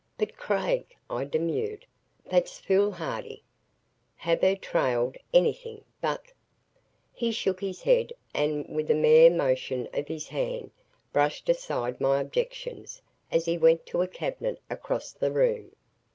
"But, Craig," I demurred, "that's foolhardy. Have her trailed anything but " He shook his head and with a mere motion of his hand brushed aside my objections as he went to a cabinet across the room.